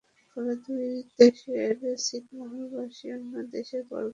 ফলে দুই দেশের ছিটমহলবাসী অন্য দেশে পরগাছা হিসেবেই বাস করছেন দীর্ঘকাল ধরে।